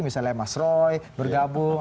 misalnya mas roy bergabung